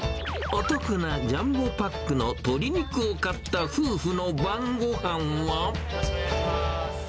お得なジャンボパックの鶏肉を買った夫婦の晩ごはんは。